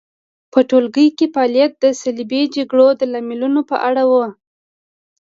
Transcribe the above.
په ټولګي کې فعالیت د صلیبي جګړو د لاملونو په اړه و.